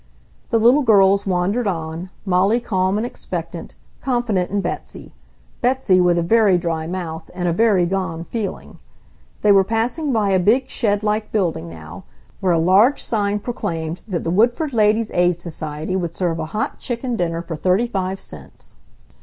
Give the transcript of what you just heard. The little girls wandered on, Molly calm and expectant, confident in Betsy; Betsy with a very dry mouth and a very gone feeling. They were passing by a big shed like building now, where a large sign proclaimed that the Woodford Ladies' Aid Society would serve a hot chicken dinner for thirty five cents.